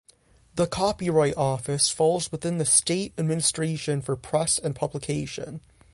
The Copyright Office falls within the State Administration for Press and Publication.